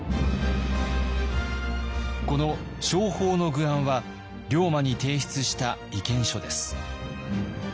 この「商方之愚案」は龍馬に提出した意見書です。